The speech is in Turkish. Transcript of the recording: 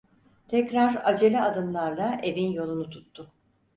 Tekrar acele adımlarla evin yolunu tuttu.